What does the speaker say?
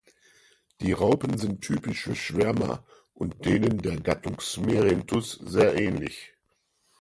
Die Raupen sind typisch für Schwärmer und denen der Gattung "Smerinthus" sehr ähnlich.